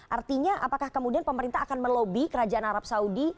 artinya apakah kemudian pemerintah akan melobi kerajaan arab saudi